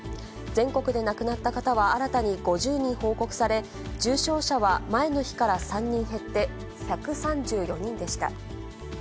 全国で亡くなった方は新たに５０人報告され、重症者は前の日から３人減って１３４人でした。